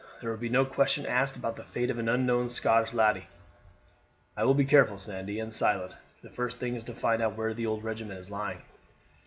There would be no question asked about the fate of an unknown Scotch laddie." "I will be careful, Sandy, and silent. The first thing is to find out where the old regiment is lying."